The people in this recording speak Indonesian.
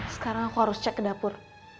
sekarang aku harus cek ke dapur